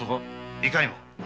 いかにも。